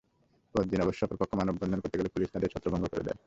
পরদিন অবশ্য অপরপক্ষ মানববন্ধন করতে গেলে পুলিশ তাদের ছত্রভঙ্গ করে দেয়।